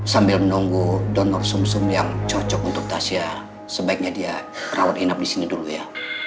sambil menunggu donor sum sum yang cocok untuk tasya sebaiknya dia rawat inap di sini dulu ya